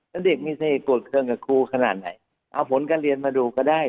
แล้วเด็กมีเสน่หวดเครื่องกับครูขนาดไหนเอาผลการเรียนมาดูก็ได้